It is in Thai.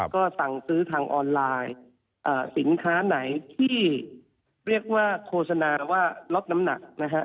ก็สั่งซื้อทางออนไลน์สินค้าไหนที่เรียกว่าโฆษณาว่าลดน้ำหนักนะฮะ